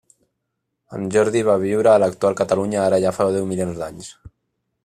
En Jordi va viure a l'actual Catalunya ara ja fa deu milions d’anys.